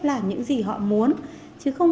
làm những gì họ muốn chứ không